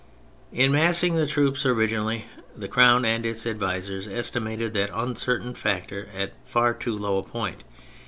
In massing the troops originally, the Crown and its advisers estimated that uncertain factor at far too low a point.